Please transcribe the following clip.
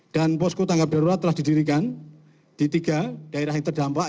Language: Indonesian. dan posku tangga berulat telah didirikan di tiga daerah yang terdampak